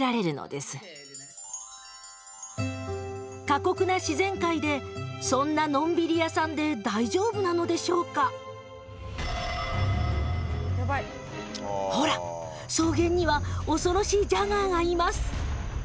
過酷な自然界でそんなのんびり屋さんで大丈夫なのでしょうかほら草原には恐ろしいジャガーがいます。